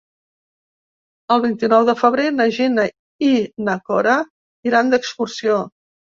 El vint-i-nou de febrer na Gina i na Cora iran d'excursió.